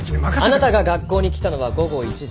あなたが学校に来たのは午後１時。